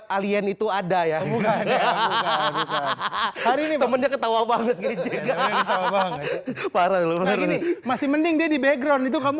alien itu ada ya hahaha hari ini ketawa banget parah masih mending jadi background itu kamu